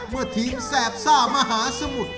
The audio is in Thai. เมื่อทีมแสบซ่ามหาสมุทร